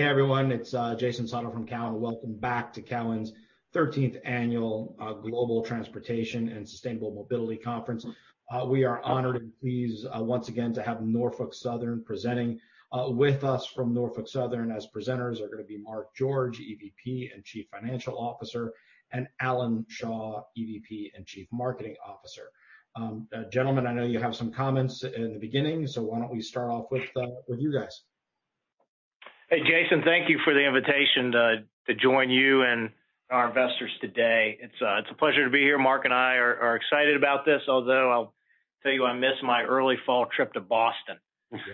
Hey, everyone. It's Jason Seidl from Cowen. Welcome back to Cowen's 13th Annual Global Transportation and Sustainable Mobility Conference. We are honored and pleased once again to have Norfolk Southern presenting. With us from Norfolk Southern as presenters are going to be Mark George, EVP and Chief Financial Officer, and Alan Shaw, EVP and Chief Marketing Officer. Gentlemen, I know you have some comments in the beginning, so why don't we start off with you guys? Hey, Jason, thank you for the invitation to join you and our investors today. It's a pleasure to be here. Mark and I are excited about this, although I'll tell you, I miss my early fall trip to Boston. As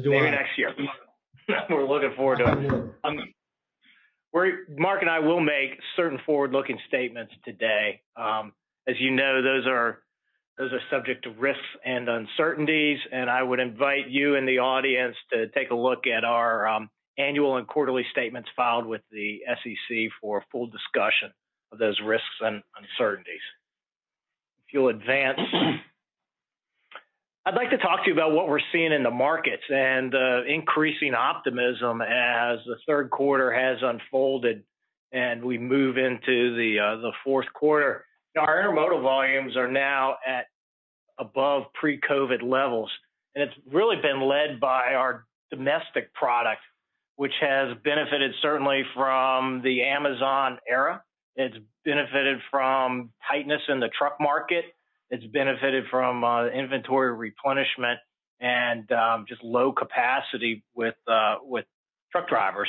do I. Maybe next year. We're looking forward to it. Mark and I will make certain forward-looking statements today. As you know, those are subject to risks and uncertainties. I would invite you in the audience to take a look at our annual and quarterly statements filed with the SEC for full discussion of those risks and uncertainties. If you'll advance. I'd like to talk to you about what we're seeing in the markets and increasing optimism as the third quarter has unfolded and we move into the fourth quarter. Our intermodal volumes are now at above pre-COVID levels. It's really been led by our domestic product, which has benefited certainly from the Amazon era. It's benefited from tightness in the truck market. It's benefited from inventory replenishment and just low capacity with truck drivers.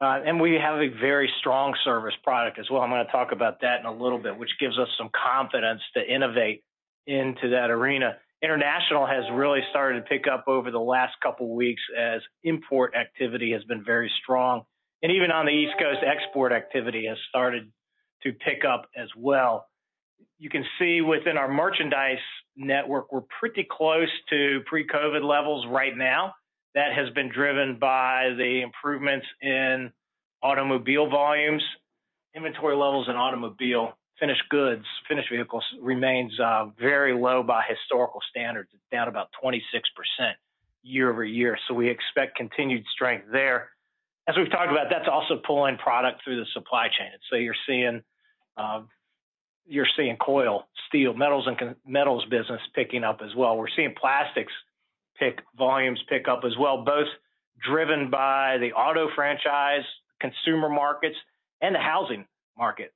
We have a very strong service product as well. I'm going to talk about that in a little bit, which gives us some confidence to innovate into that arena. International has really started to pick up over the last couple of weeks as import activity has been very strong. Even on the East Coast, export activity has started to pick up as well. You can see within our merchandise network, we're pretty close to pre-COVID levels right now. That has been driven by the improvements in automobile volumes. Inventory levels in automobile, finished goods, finished vehicles remain very low by historical standards. It's down about 26% year over year. We expect continued strength there. As we've talked about, that's also pulling product through the supply chain. You are seeing coil, steel, metals business picking up as well. We're seeing plastics volumes pick up as well, both driven by the auto franchise, consumer markets, and the housing market.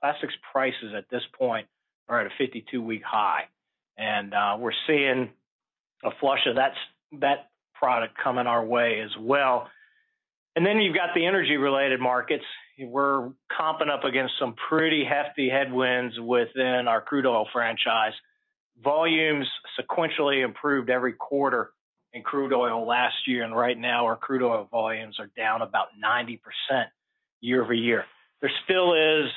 Plastics prices at this point are at a 52-week high. We're seeing a flush of that product coming our way as well. You have the energy-related markets. We're comping up against some pretty hefty headwinds within our crude oil franchise. Volumes sequentially improved every quarter in crude oil last year. Right now, our crude oil volumes are down about 90% year-over-year. There still is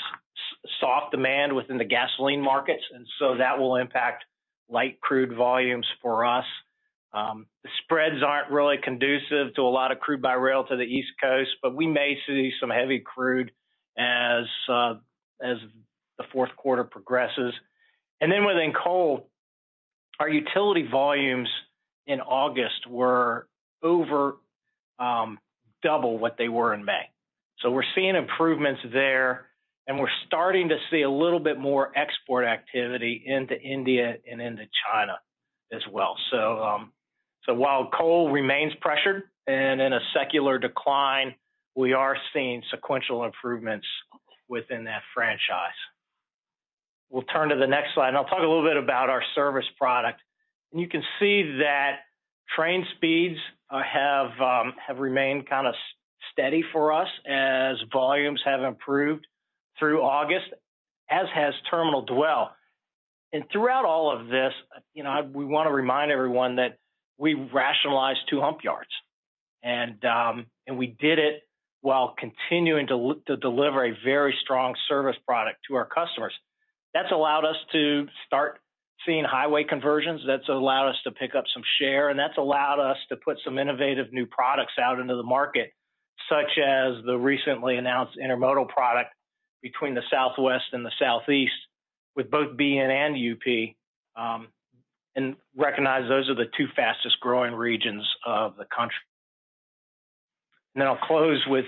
soft demand within the gasoline markets. That will impact light crude volumes for us. The spreads aren't really conducive to a lot of crude by rail to the East Coast, but we may see some heavy crude as the fourth quarter progresses. Within coal, our utility volumes in August were over double what they were in May. We are seeing improvements there. We are starting to see a little bit more export activity into India and into China as well. While coal remains pressured and in a secular decline, we are seeing sequential improvements within that franchise. We will turn to the next slide. I will talk a little bit about our service product. You can see that train speeds have remained kind of steady for us as volumes have improved through August, as has terminal dwell. Throughout all of this, we want to remind everyone that we rationalized two hump yards. We did it while continuing to deliver a very strong service product to our customers. That has allowed us to start seeing highway conversions. That has allowed us to pick up some share. That has allowed us to put some innovative new products out into the market, such as the recently announced intermodal product between the Southwest and the Southeast with both BNSF and UP. Recognize those are the two fastest growing regions of the country. I will close with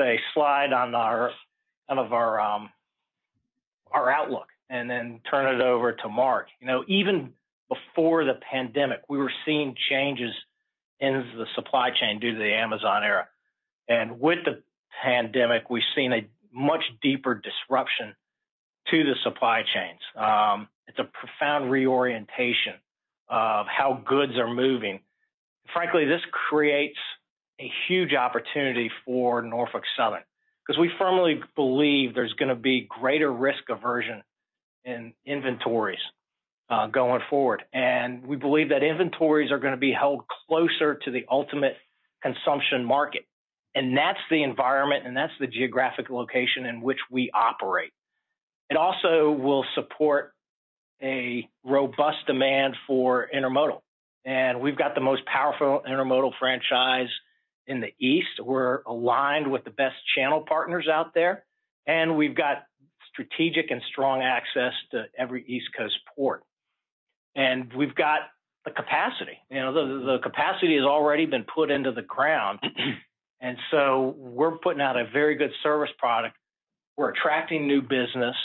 a slide on our outlook. I will turn it over to Mark. Even before the pandemic, we were seeing changes in the supply chain due to the Amazon era. With the pandemic, we have seen a much deeper disruption to the supply chains. It is a profound reorientation of how goods are moving. Frankly, this creates a huge opportunity for Norfolk Southern because we firmly believe there is going to be greater risk aversion in inventories going forward. We believe that inventories are going to be held closer to the ultimate consumption market. That is the environment and that is the geographic location in which we operate. It also will support a robust demand for intermodal. We have the most powerful intermodal franchise in the East. We are aligned with the best channel partners out there. We have strategic and strong access to every East Coast port. We have the capacity, and the capacity has already been put into the ground. We are putting out a very good service product. We are attracting new business,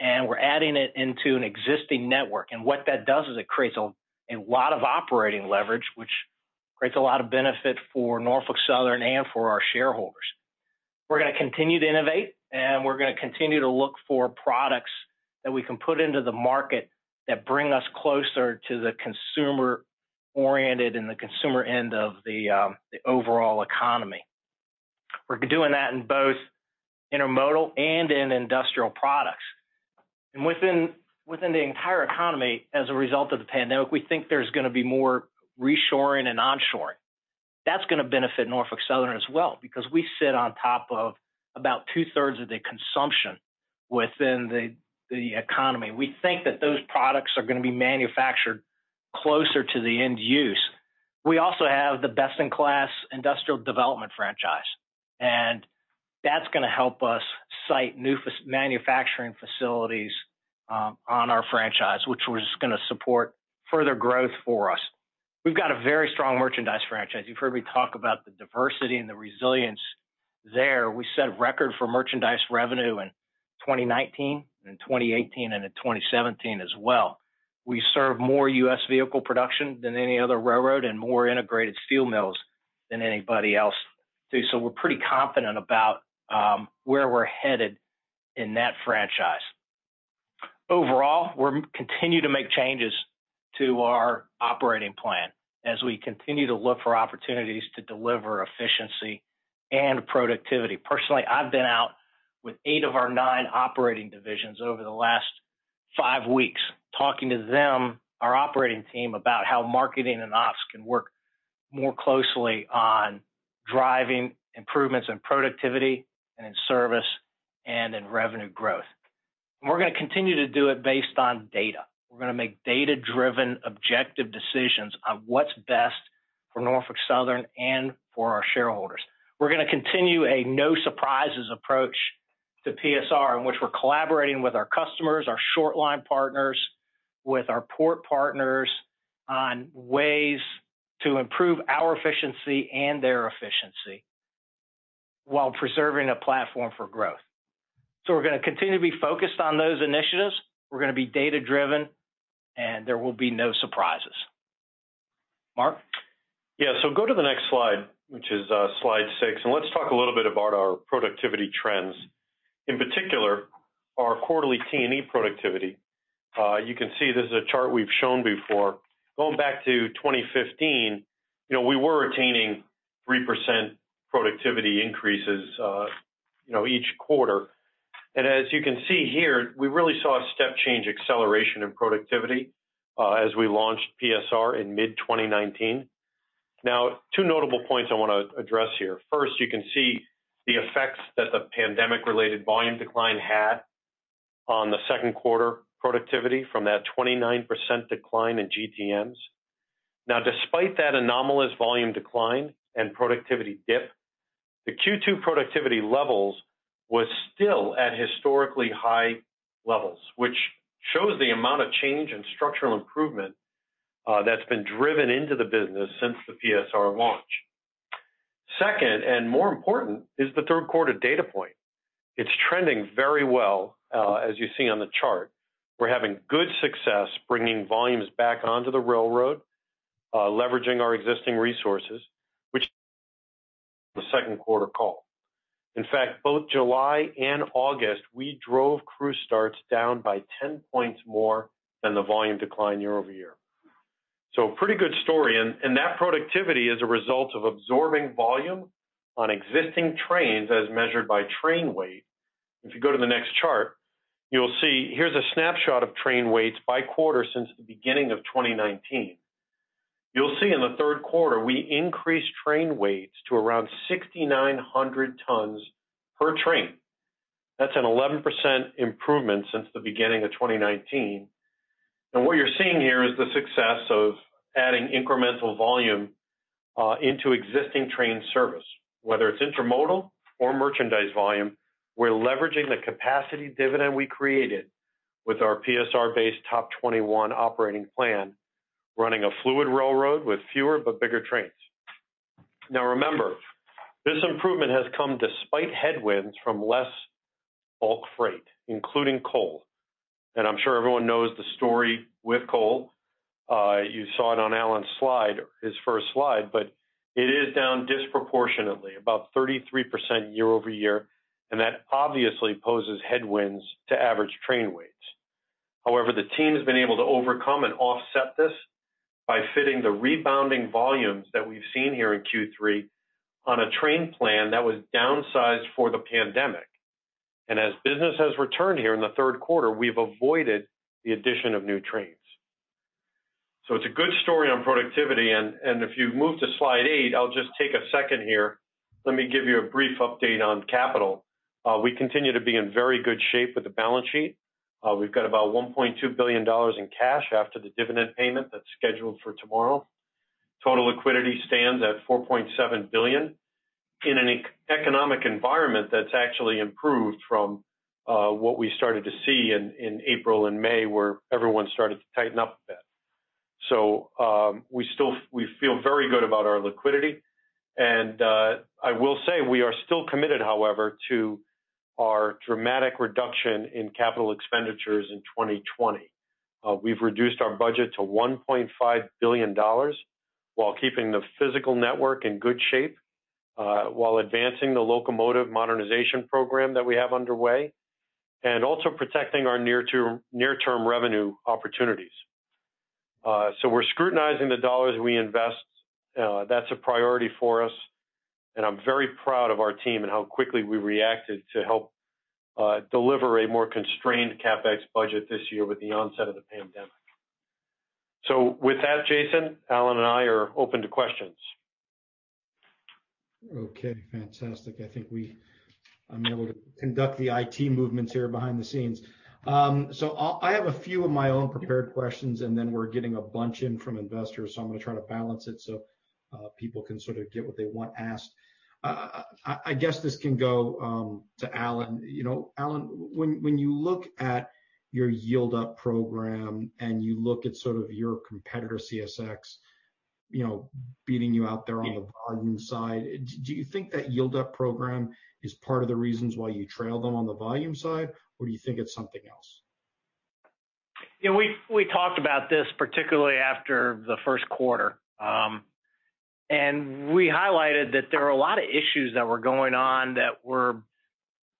and we are adding it into an existing network. What that does is it creates a lot of operating leverage, which creates a lot of benefit for Norfolk Southern and for our shareholders. We are going to continue to innovate. We are going to continue to look for products that we can put into the market that bring us closer to the consumer-oriented and the consumer end of the overall economy. We are doing that in both intermodal and in industrial products. Within the entire economy, as a result of the pandemic, we think there is going to be more reshoring and onshoring. That is going to benefit Norfolk Southern as well because we sit on top of about two-thirds of the consumption within the economy. We think that those products are going to be manufactured closer to the end use. We also have the best-in-class industrial development franchise. That is going to help us site new manufacturing facilities on our franchise, which is going to support further growth for us. We have got a very strong merchandise franchise. You have heard me talk about the diversity and the resilience there. We set record for merchandise revenue in 2019 and in 2018 and in 2017 as well. We serve more U.S. vehicle production than any other railroad and more integrated steel mills than anybody else do. We are pretty confident about where we are headed in that franchise. Overall, we are continuing to make changes to our operating plan as we continue to look for opportunities to deliver efficiency and productivity. Personally, I have been out with eight of our nine operating divisions over the last five weeks talking to them, our operating team, about how marketing and ops can work more closely on driving improvements in productivity and in service and in revenue growth. We are going to continue to do it based on data. We are going to make data-driven objective decisions on what is best for Norfolk Southern and for our shareholders. are going to continue a no-surprises approach to PSR, in which we are collaborating with our customers, our shortline partners, with our port partners on ways to improve our efficiency and their efficiency while preserving a platform for growth. We are going to continue to be focused on those initiatives. We are going to be data-driven. There will be no surprises. Mark? Yeah. Go to the next slide, which is slide six. Let's talk a little bit about our productivity trends. In particular, our quarterly T&E productivity. You can see this is a chart we've shown before. Going back to 2015, we were attaining 3% productivity increases each quarter. As you can see here, we really saw a step change acceleration in productivity as we launched PSR in mid-2019. Now, two notable points I want to address here. First, you can see the effects that the pandemic-related volume decline had on the second quarter productivity from that 29% decline in GTMs. Now, despite that anomalous volume decline and productivity dip, the Q2 productivity levels were still at historically high levels, which shows the amount of change and structural improvement that's been driven into the business since the PSR launch. Second, and more important, is the third quarter data point. It's trending very well, as you see on the chart. We're having good success bringing volumes back onto the railroad, leveraging our existing resources, which the second quarter call. In fact, both July and August, we drove crew starts down by 10 percentage points more than the volume decline year over year. Pretty good story. That productivity is a result of absorbing volume on existing trains as measured by train weight. If you go to the next chart, you'll see here's a snapshot of train weights by quarter since the beginning of 2019. You'll see in the third quarter, we increased train weights to around 6,900 tons per train. That's an 11% improvement since the beginning of 2019. What you're seeing here is the success of adding incremental volume into existing train service, whether it's intermodal or merchandise volume. We're leveraging the capacity dividend we created with our PSR-based Top 21 operating plan, running a fluid railroad with fewer but bigger trains. Now, remember, this improvement has come despite headwinds from less bulk freight, including coal. I'm sure everyone knows the story with coal. You saw it on Alan's slide, his first slide, but it is down disproportionately, about 33% year over year. That obviously poses headwinds to average train weights. However, the team's been able to overcome and offset this by fitting the rebounding volumes that we've seen here in Q3 on a train plan that was downsized for the pandemic. As business has returned here in the third quarter, we've avoided the addition of new trains. It's a good story on productivity. If you move to slide eight, I'll just take a second here. Let me give you a brief update on capital. We continue to be in very good shape with the balance sheet. We've got about $1.2 billion in cash after the dividend payment that's scheduled for tomorrow. Total liquidity stands at $4.7 billion in an economic environment that's actually improved from what we started to see in April and May, where everyone started to tighten up a bit. We feel very good about our liquidity. I will say we are still committed, however, to our dramatic reduction in capital expenditures in 2020. We've reduced our budget to $1.5 billion while keeping the physical network in good shape, while advancing the locomotive modernization program that we have underway, and also protecting our near-term revenue opportunities. We are scrutinizing the dollars we invest. That's a priority for us. I am very proud of our team and how quickly we reacted to help deliver a more constrained CapEx budget this year with the onset of the pandemic. With that, Jason, Alan and I are open to questions. Okay. Fantastic. I think I'm able to conduct the IT movements here behind the scenes. I have a few of my own prepared questions, and then we're getting a bunch in from investors. I'm going to try to balance it so people can sort of get what they want asked. I guess this can go to Alan. Alan, when you look at your Yield Up program and you look at sort of your competitor CSX beating you out there on the volume side, do you think that Yield Up program is part of the reasons why you trail them on the volume side, or do you think it's something else? Yeah. We talked about this, particularly after the first quarter. We highlighted that there were a lot of issues that were going on that were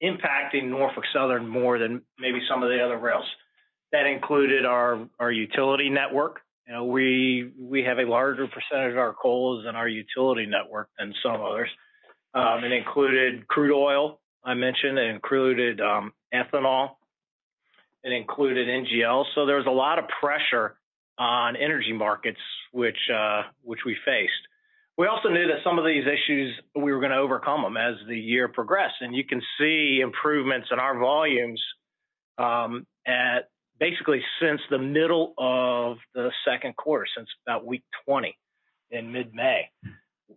impacting Norfolk Southern more than maybe some of the other rails. That included our utility network. We have a larger percentage of our coals in our utility network than some others. It included crude oil, I mentioned, it included ethanol, it included NGL. There was a lot of pressure on energy markets, which we faced. We also knew that some of these issues, we were going to overcome them as the year progressed. You can see improvements in our volumes basically since the middle of the second quarter, since about week 20 in mid-May.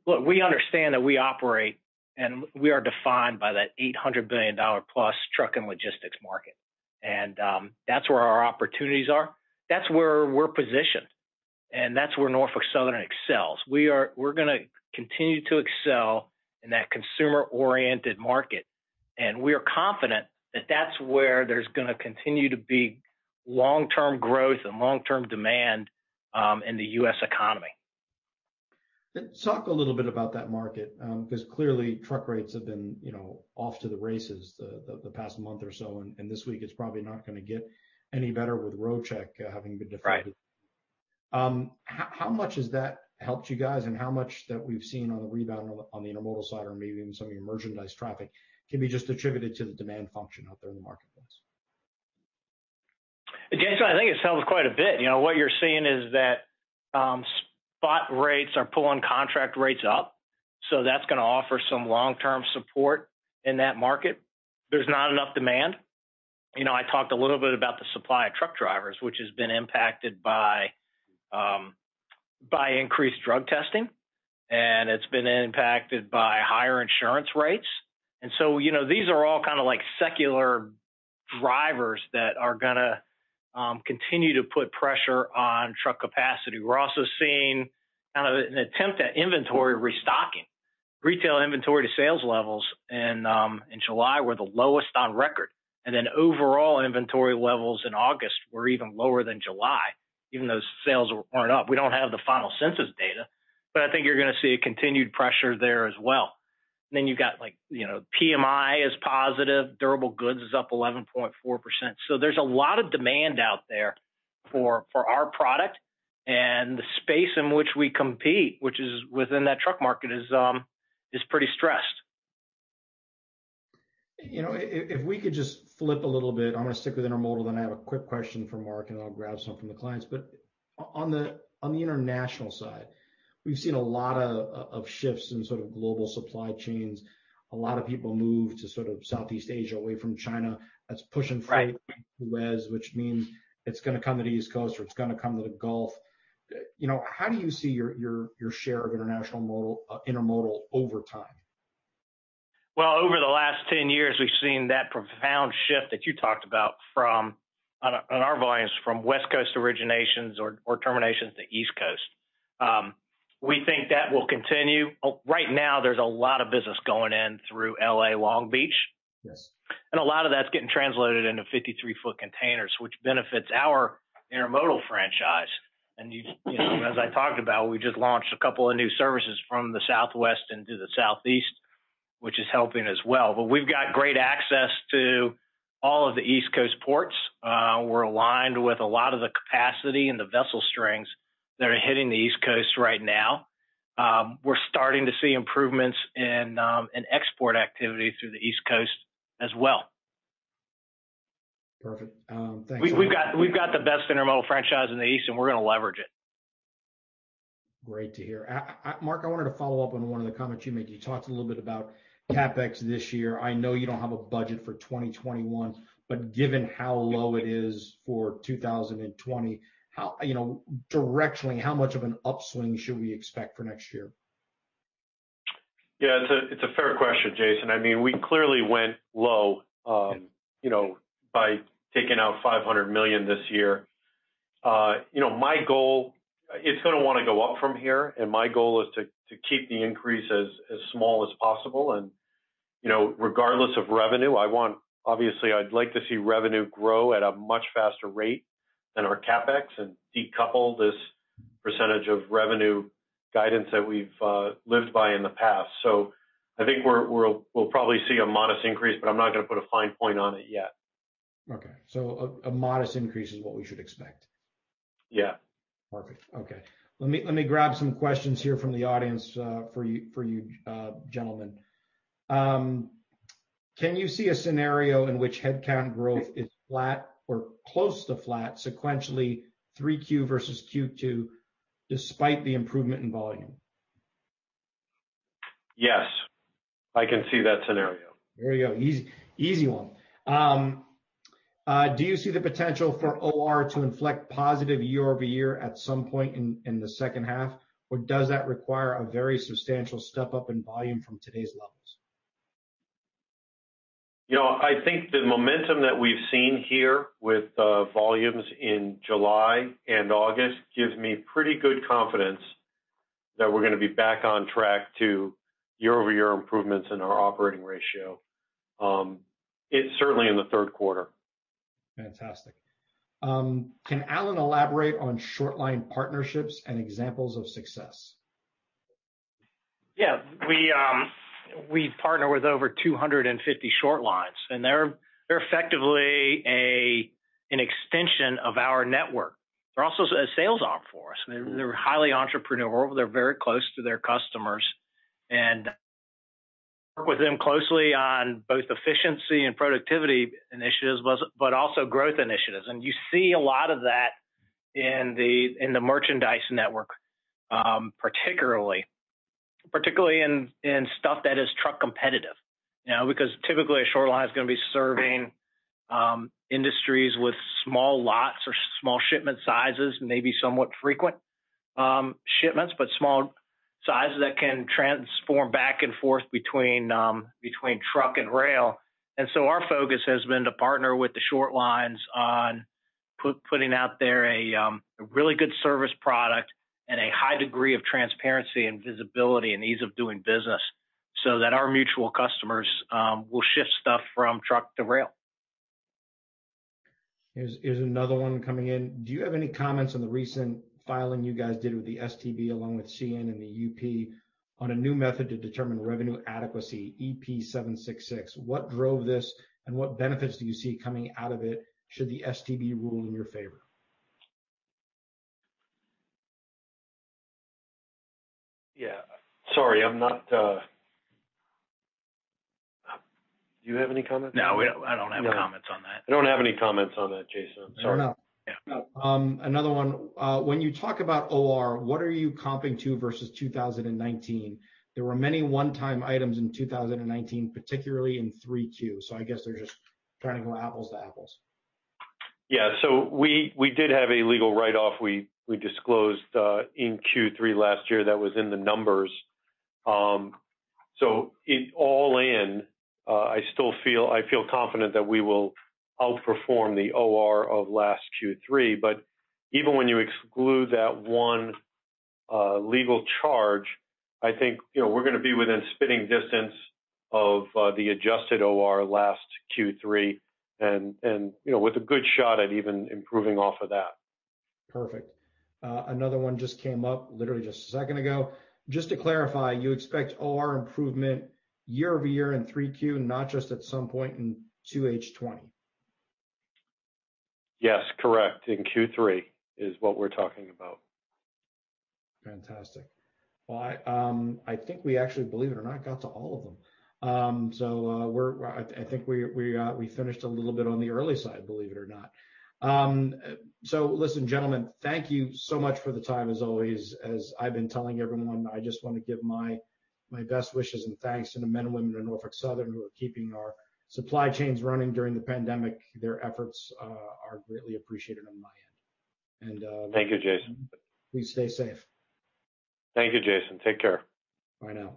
Look, we understand that we operate, and we are defined by that $800+ billion truck and logistics market. That is where our opportunities are. That is where we are positioned. That is where Norfolk Southern excels. We are going to continue to excel in that consumer-oriented market. We are confident that is where there is going to continue to be long-term growth and long-term demand in the U.S. economy. Talk a little bit about that market because clearly truck rates have been off to the races the past month or so. This week, it's probably not going to get any better with road check having been deflated. How much has that helped you guys? How much that we've seen on the rebound on the intermodal side or maybe even some of your merchandise traffic can be just attributed to the demand function out there in the marketplace? Jason, I think it sells quite a bit. What you're seeing is that spot rates are pulling contract rates up. That is going to offer some long-term support in that market. There's not enough demand. I talked a little bit about the supply of truck drivers, which has been impacted by increased drug testing. It's been impacted by higher insurance rates. These are all kind of like secular drivers that are going to continue to put pressure on truck capacity. We're also seeing kind of an attempt at inventory restocking. Retail inventory to sales levels in July were the lowest on record. Overall inventory levels in August were even lower than July, even though sales were not up. We do not have the final census data. I think you're going to see continued pressure there as well. You've got PMI is positive. Durable goods is up 11.4%. There is a lot of demand out there for our product. The space in which we compete, which is within that truck market, is pretty stressed. If we could just flip a little bit, I'm going to stick with intermodal. Then I have a quick question for Mark, and I'll grab some from the clients. On the international side, we've seen a lot of shifts in sort of global supply chains. A lot of people moved to sort of Southeast Asia away from China. That's pushing from the West, which means it's going to come to the East Coast or it's going to come to the Gulf. How do you see your share of international intermodal over time? Over the last 10 years, we've seen that profound shift that you talked about on our volumes from West Coast originations or terminations to East Coast. We think that will continue. Right now, there's a lot of business going in through LA Long Beach. A lot of that's getting translated into 53-foot containers, which benefits our intermodal franchise. As I talked about, we just launched a couple of new services from the Southwest into the Southeast, which is helping as well. We've got great access to all of the East Coast ports. We're aligned with a lot of the capacity and the vessel strings that are hitting the East Coast right now. We're starting to see improvements in export activity through the East Coast as well. Perfect. Thanks. We've got the best intermodal franchise in the East, and we're going to leverage it. Great to hear. Mark, I wanted to follow up on one of the comments you made. You talked a little bit about CapEx this year. I know you don't have a budget for 2021, but given how low it is for 2020, directionally, how much of an upswing should we expect for next year? Yeah. It's a fair question, Jason. I mean, we clearly went low by taking out $500 million this year. My goal, it's going to want to go up from here. My goal is to keep the increase as small as possible. Regardless of revenue, I want obviously, I'd like to see revenue grow at a much faster rate than our CapEx and decouple this percentage of revenue guidance that we've lived by in the past. I think we'll probably see a modest increase, but I'm not going to put a fine point on it yet. Okay. So a modest increase is what we should expect. Yeah. Perfect. Okay. Let me grab some questions here from the audience for you, gentlemen. Can you see a scenario in which headcount growth is flat or close to flat sequentially 3Q versus Q2 despite the improvement in volume? Yes. I can see that scenario. There you go. Easy one. Do you see the potential for OR to inflect positive year over year at some point in the second half, or does that require a very substantial step up in volume from today's levels? I think the momentum that we've seen here with volumes in July and August gives me pretty good confidence that we're going to be back on track to year-over-year improvements in our operating ratio, certainly in the third quarter. Fantastic. Can Alan elaborate on shortline partnerships and examples of success? Yeah. We partner with over 250 shortlines. They are effectively an extension of our network. They are also a sales arm for us. They are highly entrepreneurial. They are very close to their customers. We work with them closely on both efficiency and productivity initiatives, but also growth initiatives. You see a lot of that in the merchandise network, particularly in stuff that is truck competitive. Typically, a shortline is going to be serving industries with small lots or small shipment sizes, maybe somewhat frequent shipments, but small sizes that can transform back and forth between truck and rail. Our focus has been to partner with the shortlines on putting out there a really good service product and a high degree of transparency and visibility and ease of doing business so that our mutual customers will shift stuff from truck to rail. Here's another one coming in. Do you have any comments on the recent filing you guys did with the STB along with CN and the UP on a new method to determine revenue adequacy, EP766? What drove this, and what benefits do you see coming out of it should the STB rule in your favor? Yeah. Sorry. Do you have any comments? No. I don't have comments on that. I don't have any comments on that, Jason. I'm sorry. No. Another one. When you talk about OR, what are you comping to versus 2019? There were many one-time items in 2019, particularly in 3Q. I guess they are just trying to go apples to apples. Yeah. We did have a legal write-off we disclosed in Q3 last year that was in the numbers. All in, I feel confident that we will outperform the OR of last Q3. Even when you exclude that one legal charge, I think we're going to be within spitting distance of the adjusted OR last Q3 and with a good shot at even improving off of that. Perfect. Another one just came up literally just a second ago. Just to clarify, you expect OR improvement year over year in 3Q, not just at some point in 2H 2020? Yes. Correct. In Q3 is what we're talking about. Fantastic. I think we actually, believe it or not, got to all of them. I think we finished a little bit on the early side, believe it or not. Listen, gentlemen, thank you so much for the time. As always, as I have been telling everyone, I just want to give my best wishes and thanks to the men and women of Norfolk Southern who are keeping our supply chains running during the pandemic. Their efforts are greatly appreciated on my end. Thank you, Jason. Please stay safe. Thank you, Jason. Take care. Bye now.